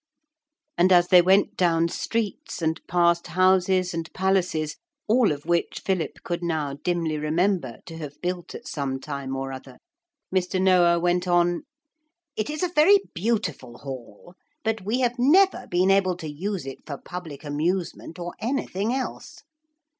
And as they went down streets and past houses and palaces all of which Philip could now dimly remember to have built at some time or other, Mr. Noah went on: 'It is a very beautiful hall, but we have never been able to use it for public amusement or anything else.